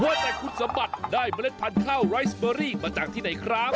ว่าแต่คุณสมบัติได้เมล็ดพันธุ์ข้าวไรสเบอรี่มาจากที่ไหนครับ